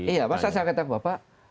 iya kalau saya katakan kepada bapak